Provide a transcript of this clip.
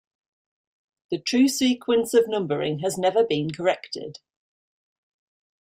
The true sequence of numbering has never been corrected.